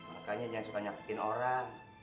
makanya jangan suka nyatukin orang